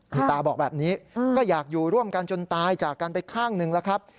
คุณตาบอกแบบนี้ก็อยากอยู่ร่วมกันจนตายจากกันไปข้างหนึ่งแล้วครับ